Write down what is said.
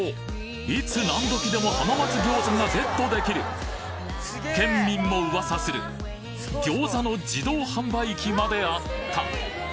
いつ何時でも浜松餃子がゲットできる県民も噂する餃子の自動販売機まであった！